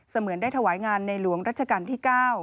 เหมือนได้ถวายงานในหลวงรัชกาลที่๙